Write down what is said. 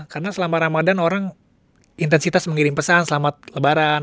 karena selama ramadhan orang intensitas mengirim pesan selamat lebaran